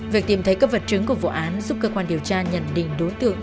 việc tìm thấy các vật chứng của vụ án giúp cơ quan điều tra nhận định đối tượng